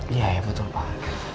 iya ya betul pak